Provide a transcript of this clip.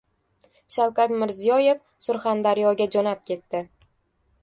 Shavkat Mirziyoyev Surxondaryoga jo‘nab ketdi